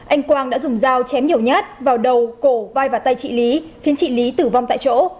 anh quang đã dùng dao chém nhiều nhát vào đầu cổ vai và tay chị lý khiến chị lý tử vong tại chỗ